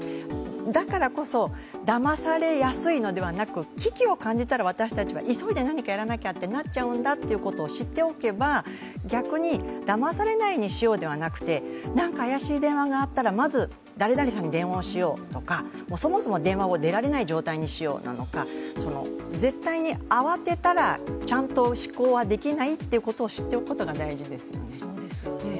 だからこそ、だまされやすいのではなく、危機を感じたら私たちは急いでやらなきゃってなっちゃうんだって知っておけば、逆にだまされないようにしようではなくて、何か怪しい電話があったら、まず誰々さんに電話をしようとかそもそも電話を出られない状態にしようなのか、絶対に慌てたら、ちゃんと思考はできないということを知っておくことが大事ですよね。